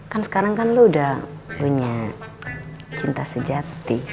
kan sekarang kan lo udah punya cinta sejati